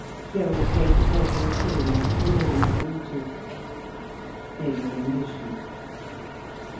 Gerald gave the porter a shilling. The man saluted. They were in motion.